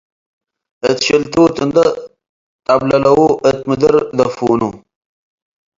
እት ሸልቱት እንዴ ጠብለለዉ እት ምድር ደፉኑ።